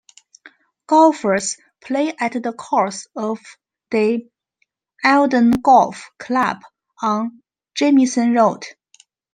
Golfers play at the course of the Eildon Golf Club on Jamieson Road.